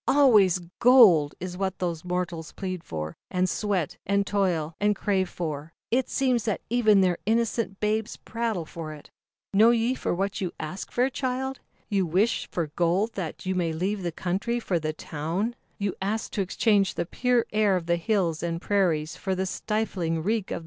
Always gold, is what these mortals plead for, and sweat, and toil, and crave for; it seems that even their innocent babes prattle of it. " Know ye for what you ask child? You wish for gold that you may leave the Country for the You ask to exchange the pure air o: hills and prairies for the stiflii 144 lUBERLINDA, THE WISE WITCH.